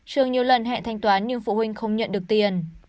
trường nhiều lần hẹn thanh toán nhưng phụ huynh không nhận được tiền